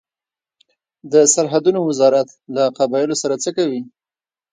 د سرحدونو وزارت له قبایلو سره څه کوي؟